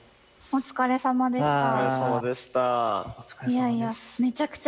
お疲れさまでした。